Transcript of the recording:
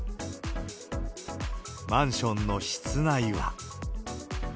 マンションの室内は。